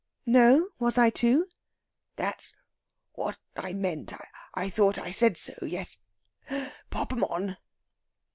"No. Was I to?" "That was what I meant. I thought I said so.... Yes; pop 'em on."